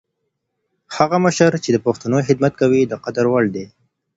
هغه مشر چي د پښتنو خدمت کوي، د قدر وړ دی.